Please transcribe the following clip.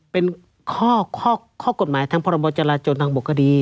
เป็นข้อกฎหมายทั้งพรจทางบกก็ดี